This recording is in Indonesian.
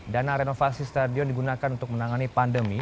dana renovasi stadion digunakan untuk menangani pandemi